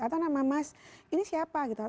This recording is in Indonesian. atau nama mas ini siapa gitu